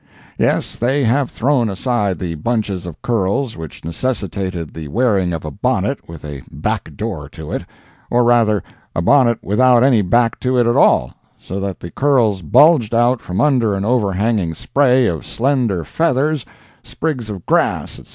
Yes, they have thrown aside the bunches of curls which necessitated the wearing of a bonnet with a back door to it, or rather, a bonnet without any back to it at all, so that the curls bulged out from under an overhanging spray of slender feathers, sprigs of grass, etc.